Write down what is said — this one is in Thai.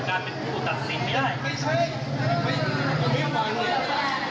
เขาพูดสิบบาทพรุ่งนี้พรุ่งของเช้านี้เลย